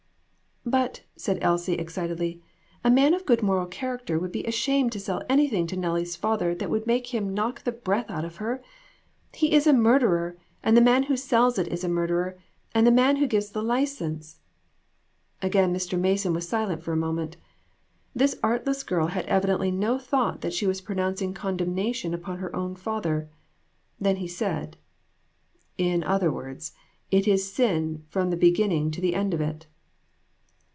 "But," said Elsie, excitedly, "a man of good moral character would be ashamed to sell any thing to Nellie's father that would make him knock the breath out of her. He is a murderer, and the man who sells it is a murderer, and the man who gives the license !" Again Mr. Mason was silent for a moment. This artless girl had evidently no thought that she was pronouncing condemnation upon her own father. Then he said " In other words, it is sin from the beginning to the end of it."